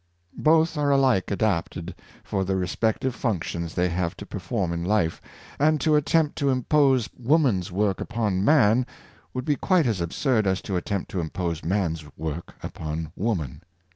Both are alike adapted for the respective functions they have to perform in life, and to attempt to impose woman's work upon man would be quite as absurd as to attempt to impose man's work upon woman.